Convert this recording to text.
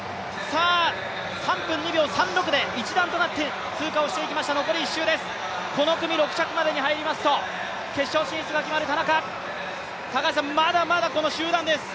３分２秒３６で一団となってこの組６着までに入りますと決勝進出が決まる田中、まだまだこの集団です。